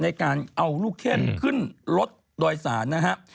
ในการเอาลูกเข้มขึ้นรถดอยศาลนะฮะ